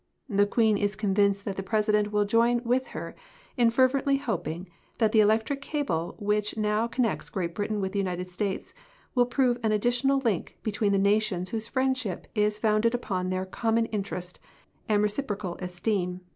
The Queen is convinced that the President will join with her in ferventl}'^ hoping that the electric cable which now connects Great Britian with the United States will prove an additional link between the nations whose friendship is founded upon their common interest and reciprocal esteem.